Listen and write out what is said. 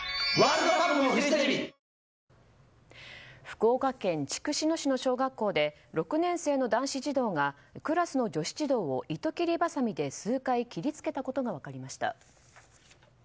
福岡県筑紫野市の小学校で６年生の男子児童がクラスの女子児童を糸切りばさみで数回切りつけたことが分かりました。